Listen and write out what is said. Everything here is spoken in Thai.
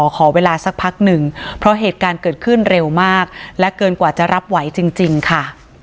ขอเวลาสักพักหนึ่งเพราะเหตุการณ์เกิดขึ้นเร็วมากและเกินกว่าจะรับไหวจริงค่ะ